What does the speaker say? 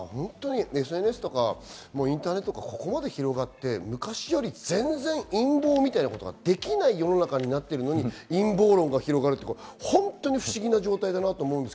今、ＳＮＳとかインターネットはここまで広がって昔より陰謀みたいなことができない世の中になっているのに陰謀論が広がるのは不思議な状態だと思います。